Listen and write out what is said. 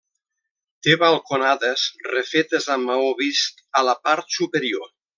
Té balconades refetes amb maó vist a la part superior.